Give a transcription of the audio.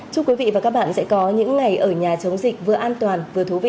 chúc quý vị và các bạn sẽ có những ngày ở nhà chống dịch vừa an toàn vừa thú vị